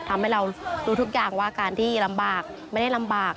ทำให้เรารู้ทุกอย่างว่าการที่ลำบากไม่ได้ลำบาก